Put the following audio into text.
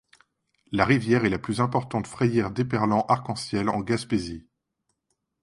La rivière est la plus importante frayère d'éperlan arc-en-ciel en Gaspésie.